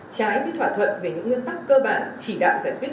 trái với thỏa thuận về những nguyên tắc cơ bản chỉ đạo giải quyết